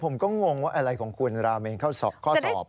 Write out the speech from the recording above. ผมก็งงว่าอะไรของคุณราเมนข้อสอบ